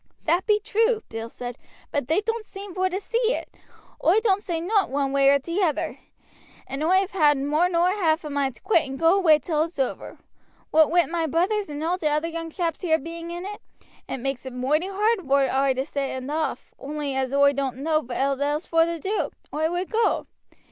"That be true," Bill said; "but they doan't seem vor to see it. Oi don't say nowt one way or t' other, and oi have had more nor half a mind to quit and go away till it's over. What wi' my brothers and all t' other young chaps here being in it, it makes it moighty hard vor oi to stand off; only as oi doan't know what else vor to do, oi would go.